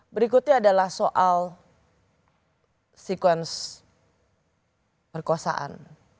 berikutnya adalah soal sekuensi perkosaan